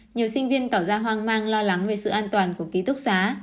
nhiều sinh viên tỏ ra hoang mang lo lắng về sự an toàn của ký túc xá